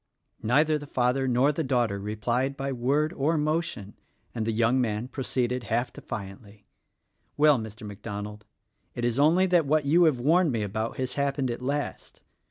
Neither the father nor the daughter replied by word or motion, and the young man proceeded half defiantly, "Well, Mr. MacDonald, it is only that what you have warned me about has happened, at last.